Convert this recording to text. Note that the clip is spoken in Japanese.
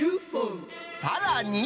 さらに。